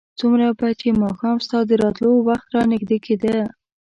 څومره به چې ماښام ستا د راتلو وخت رانږدې کېده.